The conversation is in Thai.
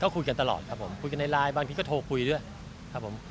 คุยกันตลอดครับผมคุยกันในไลน์บางทีก็โทรคุยด้วยครับผม